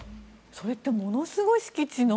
それってものすごい敷地の？